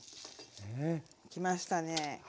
きましたね。